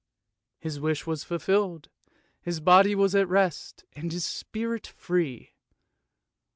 His wish was fulfilled, his body was at rest, and his spirit free.